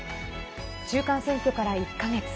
中間選挙から１か月。